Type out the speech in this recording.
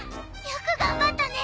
よく頑張ったね。